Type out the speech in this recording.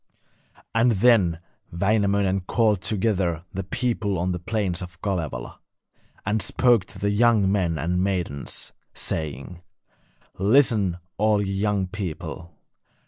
And then Wainamoinen called together the people on the plains of Kalevala, and spoke to the young men and maidens, saying: 'Listen, all ye young people.